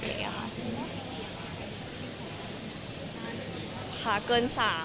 พานานเกินสาม